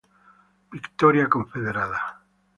Victoria Confederada.